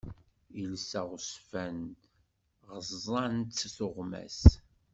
Iles aɣezfan, ɣeẓẓent-tt tuɣmas.